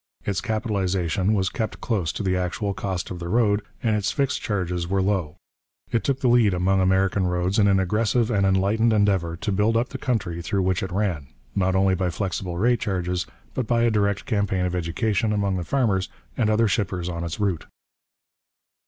Its capitalization was kept close to the actual cost of the road and its fixed charges were low. It took the lead among American roads in an aggressive and enlightened endeavour to build up the country through which it ran, not only by flexible rate charges, but by a direct campaign of education among the farmers and other shippers on its route.